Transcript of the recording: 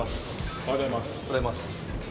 おはようございます。